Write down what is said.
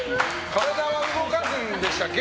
体は動かすんでしたっけ